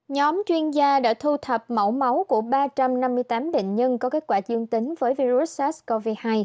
nhóm chuyên gia đã thu thập mẫu máu của ba trăm năm mươi tám bệnh nhân có kết quả dương tính với virus sars cov hai